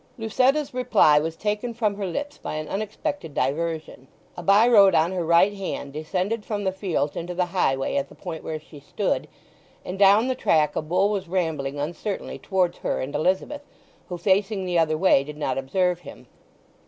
Lucetta's reply was taken from her lips by an unexpected diversion. A by road on her right hand descended from the fields into the highway at the point where she stood, and down the track a bull was rambling uncertainly towards her and Elizabeth, who, facing the other way, did not observe him.